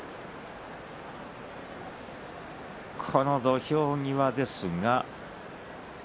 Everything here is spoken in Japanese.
この土俵際ですが。